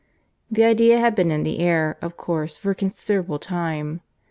The idea had been in the air, of course, for a considerable time.